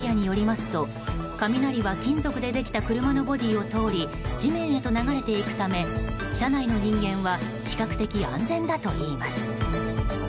地元メディアによりますと雷は金属でできた車のボディーを通り地面へと流れていくため車内の人間は比較的安全だといいます。